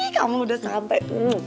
kamu udah sampai